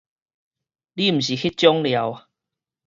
你毋是彼種料